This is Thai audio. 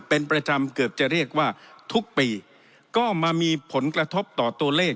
เป็นประจำเกือบจะเรียกว่าทุกปีก็มามีผลกระทบต่อตัวเลข